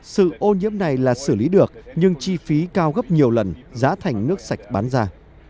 sự ô nhiễm này là xử lý được nhưng chi phí cao gấp nhiều lần giá thành nước sạch bán ra